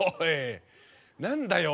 何だよ！